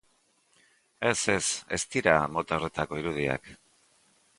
Ez, ez, ez dira mota horretako irudiak.